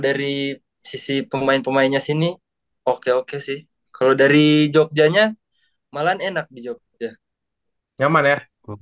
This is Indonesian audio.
dari sisi pemain pemainnya sini oke oke sih kalau dari jogjanya malah enak di jogja nyaman ya